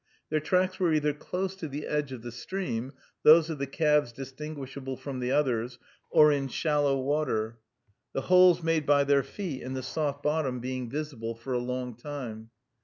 Their tracks were either close to the edge of the stream, those of the calves distinguishable from the others, or in shallow water; the holes made by their feet in the soft bottom being visible for a long time.